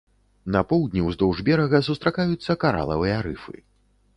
На поўдні ўздоўж берага сустракаюцца каралавыя рыфы.